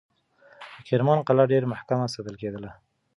د کرمان قلعه ډېر محکم ساتل کېده.